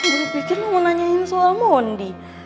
gue udah pikir mau nanyain soal mondi